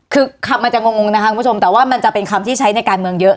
คือคำมันจะงงนะคะคุณผู้ชมแต่ว่ามันจะเป็นคำที่ใช้ในการเมืองเยอะ